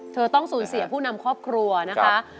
ต้องสูญเสียผู้นำครอบครัวนะคะ